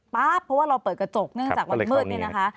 เพราะว่าเราเปิดกระจกนึกจากวันมืดนะคะ